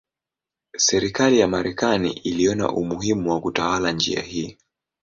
Serikali ya Marekani iliona umuhimu wa kutawala njia hii.